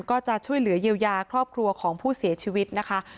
ก็จะช่วยเหลือเยียวยาครอบครัวของผู้เสียชีวิตนะคะ